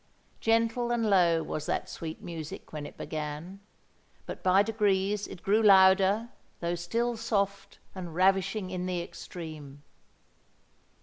Gentle and low was that sweet music when it began; but by degrees it grew louder—though still soft and ravishing in the extreme.